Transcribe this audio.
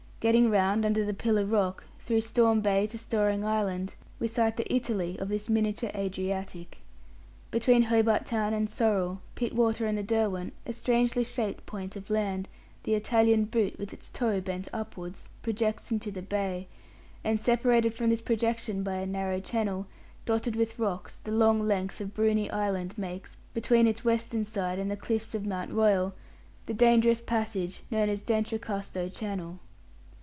Getting round under the Pillar rock through Storm Bay to Storing Island, we sight the Italy of this miniature Adriatic. Between Hobart Town and Sorrell, Pittwater and the Derwent, a strangely shaped point of land the Italian boot with its toe bent upwards projects into the bay, and, separated from this projection by a narrow channel, dotted with rocks, the long length of Bruny Island makes, between its western side and the cliffs of Mount Royal, the dangerous passage known as D'Entrecasteaux Channel.